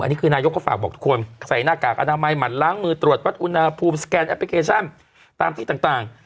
อันนี้คือนายกก็ฝากบอกทุกคนใส่หน้ากากอนามัยหมั่นล้างมือตรวจวัดอุณหภูมิสแกนแอปพลิเคชันตามที่ต่าง